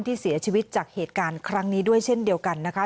ที่เสียชีวิตจากเหตุการณ์ครั้งนี้ด้วยเช่นเดียวกันนะคะ